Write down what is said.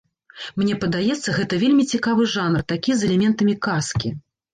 Мне падаецца, гэта вельмі цікавы жанр, такі з элементамі казкі.